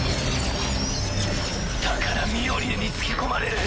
だからミオリネにつけ込まれる。